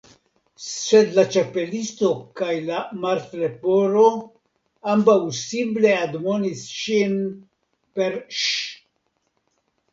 Sed la Ĉapelisto kaj la Martleporo ambaŭ sible admonis ŝin per Ŝ!